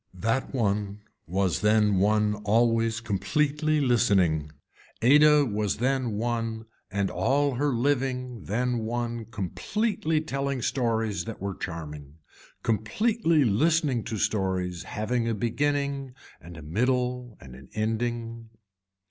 That one was then one always completely listening. Ada was then one and all her living then one completely telling stories that were charming, completely listening to stories having a beginning and a middle and an ending.